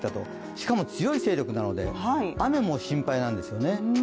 しかも強い勢力なので、雨も心配なんですよね。